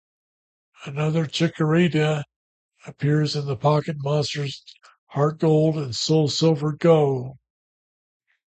Another Chikorita appears in the Pocket Monsters HeartGold and SoulSilver Go!